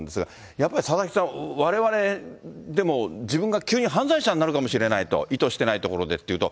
やっぱり佐々木さん、われわれでも自分が急に犯罪者になるかもしれないと、意図してないところでっていうと。